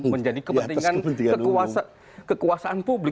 menjadi kepentingan kekuasaan publik